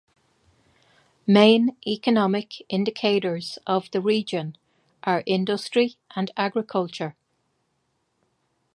Main economic indicators of the region are industry and agriculture.